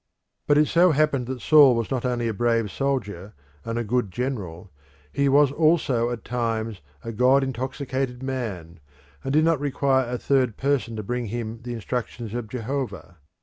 But it so happened that Saul was not only a brave soldier and a good general; he was also at times a "god intoxicated man," and did not require a third person to bring him the instructions of Jehovah.